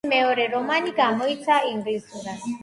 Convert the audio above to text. მისი მეორე რომანი გამოიცა ინგლისურად.